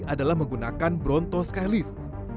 adalah menggunakan bronto skylift